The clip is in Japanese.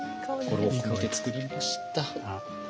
心を込めて作りました。